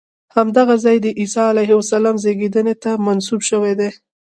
همدغه ځای د عیسی علیه السلام زېږېدنې ته منسوب شوی دی.